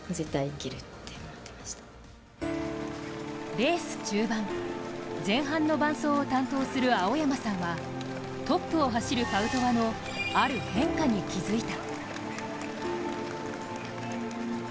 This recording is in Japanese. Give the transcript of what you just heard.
レース中盤、前半の伴走を担当する青山さんはトップを走るパウトワのある変化に気づいた。